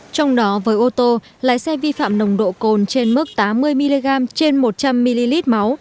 trong đó với ô tô lái xe vi phạm nồng độ cồn trên mức tám mươi mg trên một trăm linh ml máu